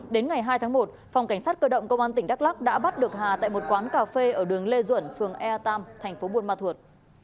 đến ngày hai tháng một phòng cảnh sát cơ động công an tỉnh đắk lắc đã bắt được hà tại một quán cà phê ở đường lê duẩn phường ea tam thành phố buôn ma thuột